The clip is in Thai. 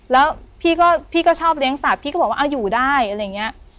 แล้วพี่ก็พี่ก็ชอบเลี้ยงสัตว์พี่ก็บอกว่าเอาอยู่ได้อะไรอย่างนี้